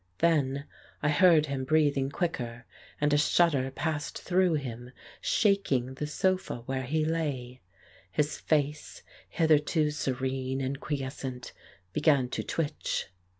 Then, I heard him breathing quicker, and a shudder passed through him, shaking the sofa where he lay. His face, hitherto serene and quiescent, began to twitch.